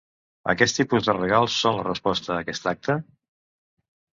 Aquest tipus de regals són la resposta a aquest acte?